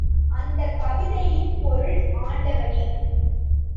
அந்தக் கவிதையின் பொருள் ஆண்டவனே!